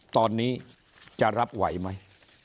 ตอนนี้จะรับไหวไหม